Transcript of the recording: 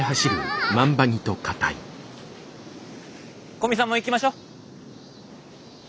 古見さんも行きましょ。